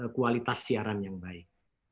kualitas siaran yang baik